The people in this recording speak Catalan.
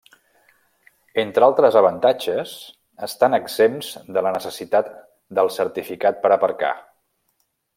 Entre altres avantatges, estan exempts de la necessitat del certificat per aparcar.